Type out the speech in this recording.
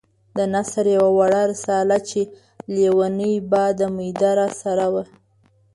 د نثر يوه وړه رساله چې ليونی باد نومېده راسره وه.